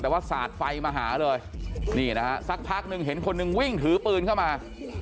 แต่ว่าสาดไฟมาหาเลยนี่นะฮะสักพักหนึ่งเห็นคนหนึ่งวิ่งถือปืนเข้ามา